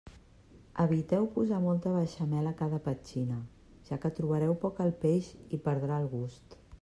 Eviteu posar molta beixamel a cada petxina, ja que trobareu poc el peix i perdrà el gust.